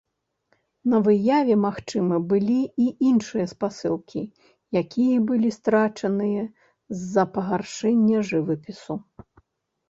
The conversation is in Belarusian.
На выяве, магчыма, былі і іншыя спасылкі, якія былі страчаныя з-за пагаршэння жывапісу.